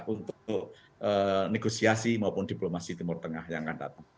untuk negosiasi maupun diplomasi timur tengah yang akan datang